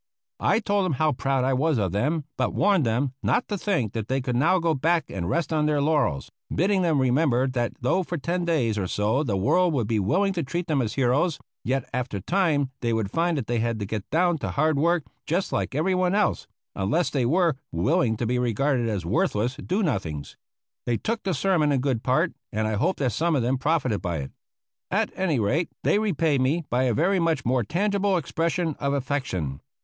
I told them how proud I was of them, but warned them not to think that they could now go back and rest on their laurels, bidding them remember that though for ten days or so the world would be willing to treat them as heroes, yet after that time they would find they had to get down to hard work just like everyone else, unless they were willing to be regarded as worthless do nothings. They took the sermon in good part, and I hope that some of them profited by it. At any rate, they repaid me by a very much more tangible expression of affection.